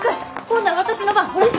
今度は私の番ほら！